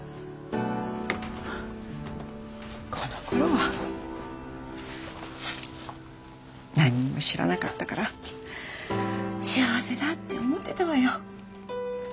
このころは何にも知らなかったから幸せだって思ってたわよ。